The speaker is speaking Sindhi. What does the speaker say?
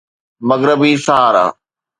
مغربي صحارا